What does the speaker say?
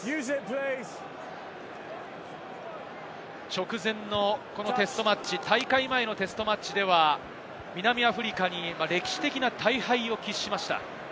直前のテストマッチ、大会前のテストマッチでは南アフリカに歴史的な大敗を喫しました。